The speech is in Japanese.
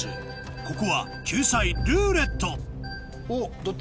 ここは救済「ルーレット」おっどっち？